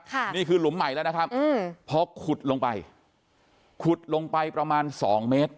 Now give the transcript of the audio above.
นี่คือหลุมใหม่แล้วนะครับอืมพอขุดลงไปขุดลงไปประมาณสองเมตร